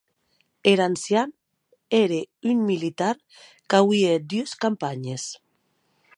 Er ancian ère un militar qu'auie hèt dues campanhes.